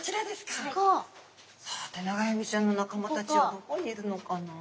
さあテナガエビちゃんの仲間たちはどこにいるのかな？